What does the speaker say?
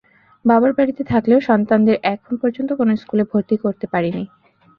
বাবার বাড়িতে থাকলেও সন্তানদের এখন পর্যন্ত কোনো স্কুলে ভর্তি করতে পারিনি।